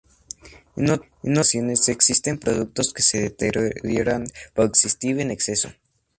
En otras ocasiones existen productos que se deterioran por existir en exceso.